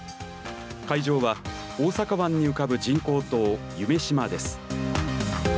会場は大阪湾に浮かぶ人工島夢洲です。